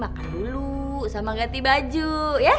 makan dulu sama ganti baju ya